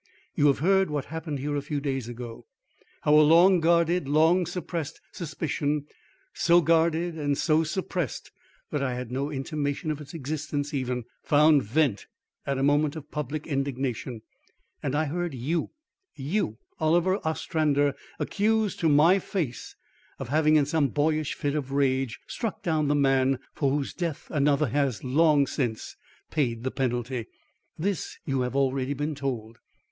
You have heard what happened here a few days ago. How a long guarded, long suppressed suspicion so guarded and so suppressed that I had no intimation of its existence even, found vent at a moment of public indignation, and I heard you, you, Oliver Ostrander, accused to my face of having in some boyish fit of rage struck down the man for whose death another has long since paid the penalty. This you have already been told."